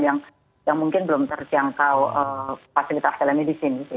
yang mungkin belum terjangkau fasilitas telemedicine